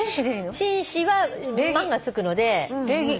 紳士はマンがつくので。